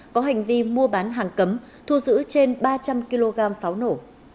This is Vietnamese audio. có hành vi mua bán hàng cấm thu giữ trên ba trăm linh kg pháo nổ